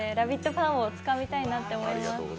ファンをつかみたいなと思います。